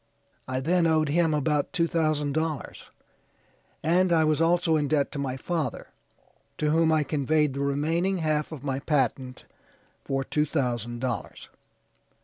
I then owed him about two thousand dollars, and I was also in debt to my father, to whom I conveyed the remaining half of my patent for two thousand dollars.